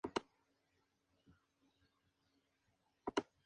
De inmediato el criminólogo investigó los casos de estas víctimas.